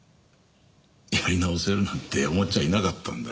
やり直せるなんて思っちゃいなかったんだよ。